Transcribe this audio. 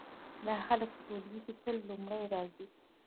دا هلک په ټولګي کې تل لومړی راځي